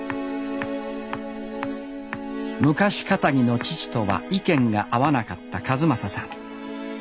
昔かたぎの父とは意見が合わなかった一正さん。